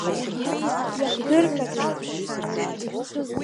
Иахдырҟьацәеит.